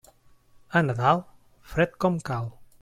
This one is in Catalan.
A Nadal, fred com cal.